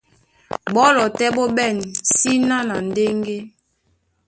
Ɓɔ́lɔ tɛ́ ɓó ɓɛ̂n síná na ndéŋgé.